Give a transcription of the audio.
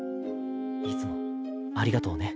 いつもありがとうね。